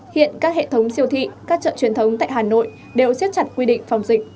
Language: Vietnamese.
hiện các hệ thống siêu thị các chợ truyền thống tại hà nội đều xiết chặt quy định phòng dịch